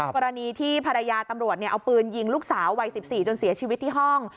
กรณีที่ภรรยาตำรวจเอาปืนยิงลูกสาววัย๑๔จนเสียชีวิตที่ห้อง